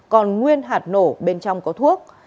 còn nguyên hạt nổ bên trong có thuốc